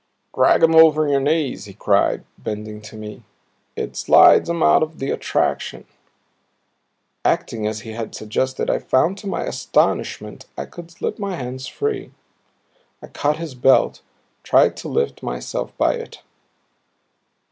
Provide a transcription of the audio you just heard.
"Drag 'em over your knees," he cried, bending to me. "It slides 'em out of the attraction." Acting as he had suggested I found to my astonishment I could slip my hands free; I caught his belt, tried to lift myself by it.